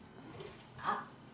あっ！